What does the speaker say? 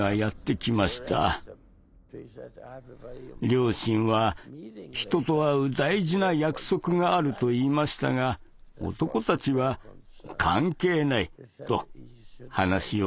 両親は「人と会う大事な約束がある」と言いましたが男たちは「関係ない」と話を全く聞こうとしませんでした。